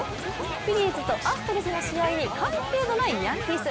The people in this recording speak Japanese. フィリーズとアストロズの試合に関係のないヤンキース。